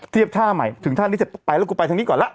เทียบท่าใหม่ถึงท่านี้จะไปแล้วกูไปทางนี้ก่อนแล้ว